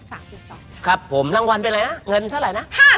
ครับผมรางวัลเป็นไหนนะเงินเท่าไหร่นะ